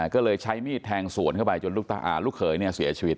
ก็เลยใช้มีดแทงสวนเข้าไปจนลูกเขยเสียชีวิต